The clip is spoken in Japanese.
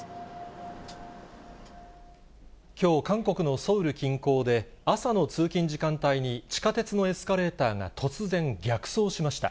きょう、韓国のソウル近郊で、朝の通勤時間帯に、地下鉄のエスカレーターが突然逆走しました。